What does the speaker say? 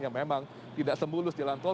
yang memang tidak semulus jalan tol